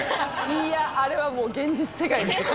いやあれはもう現実世界です